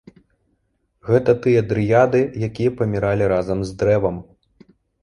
Гэта тыя дрыяды, якія паміралі разам з дрэвам.